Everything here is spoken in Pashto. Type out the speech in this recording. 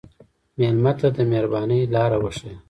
مېلمه ته د مهربانۍ لاره وښیه.